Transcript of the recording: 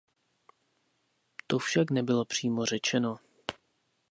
To však nebylo přímo řečeno.